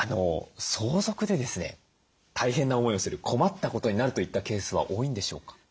相続でですね大変な思いをする困ったことになるといったケースは多いんでしょうか？